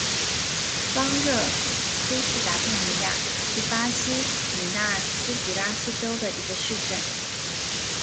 邦热苏斯达佩尼亚是巴西米纳斯吉拉斯州的一个市镇。